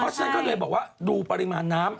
เพราะฉะนั้นก็เลยบอกว่าดูปริมาณน้ำ